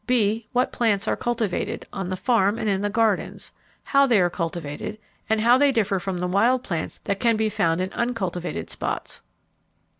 (b) What plants are cultivated on the farm and in the gardens, how they are cultivated, and how they differ from the wild plants that can be found in uncultivated spots.